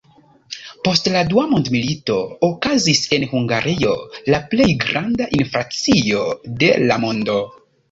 Post la Dua Mondmilito okazis en Hungario la plej granda inflacio de la mondo.